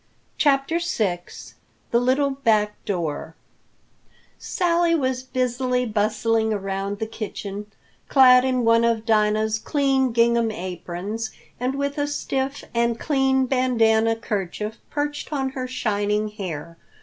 CHAPTER VI THE LITTLE BACK DOOR SALLY was busily bustling around the kitchen, clad in one of Dinah's clean gingham aprons and with a stiff and clean bandanna 'kerchief perched on her shining hair.